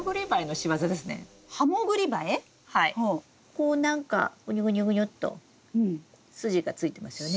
こう何かぐにゅぐにゅぐにゅっと筋がついてますよね。